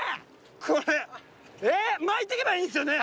これ巻いていけばいいんすよね？